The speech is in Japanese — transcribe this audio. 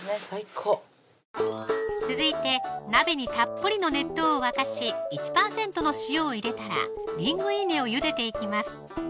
最高続いて鍋にたっぷりの熱湯を沸かし１％の塩を入れたらリングイーネをゆでていきます